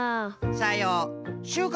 さよう。